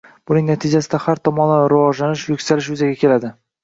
Buning natijasida har tomonlama rivojlanish, yuksalish yuzaga keladi